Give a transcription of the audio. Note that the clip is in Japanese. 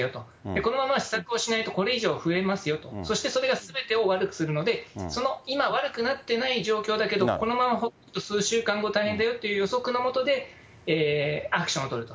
このまま施策をしないと、これ以上増えますよと、そしてそれがすべてを悪くするので、その今、悪くなってない状況だけど、このままほっとくと、数週間後、大変だよっていう予測の下で、アクションを取ると。